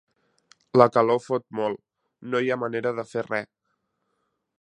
La calor fot molt: no hi ha manera de fer res.